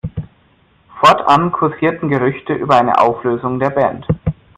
Fortan kursierten Gerüchte um eine Auflösung der Band.